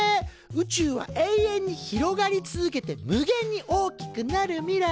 宇宙は永遠に広がり続けて無限に大きくなる未来。